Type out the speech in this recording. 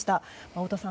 太田さん